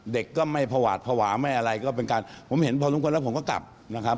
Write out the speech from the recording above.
เด็กก็ไม่พอหวาดภาวะไม่อะไรก็เป็นการผมเห็นพอสมควรแล้วผมก็กลับนะครับ